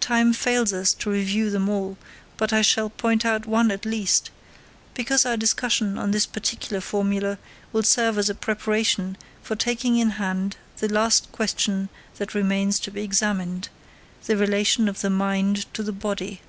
Time fails us to review them all, but I shall point out one at least, because our discussion on this particular formula will serve as a preparation for taking in hand the last question that remains to be examined the relation of the mind to the body.